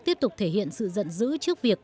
tiếp tục thể hiện sự giận dữ trước việc